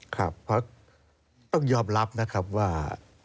ครับเพราะต้องยอมรับนะครับว่า